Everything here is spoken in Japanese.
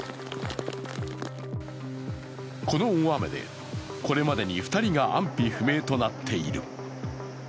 この大雨でこれまでに２人が安否不明となっている。